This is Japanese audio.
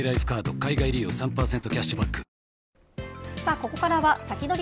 ここからはサキドリ！